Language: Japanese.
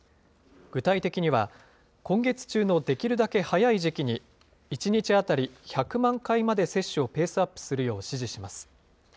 具体的には、今月中のできるだけ早い時期に、１日当たり１００万回まで接種をペースアップするよう指示します。